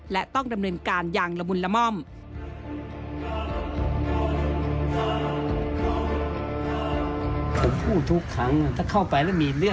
และต้องดำเนินการอย่างละมุนละม่อม